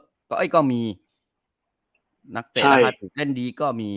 นักเตะราคาที่เล่นดีก็มี